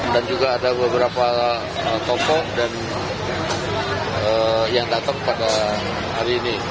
dan juga ada beberapa tokoh yang datang pada hari ini